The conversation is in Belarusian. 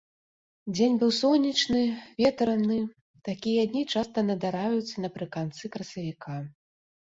Дзень быў сонечны, ветраны, такія дні часта надараюцца напрыканцы красавіка.